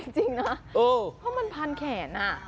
อ๋อจริงนะเพราะมันผ่านแขนอ่ะ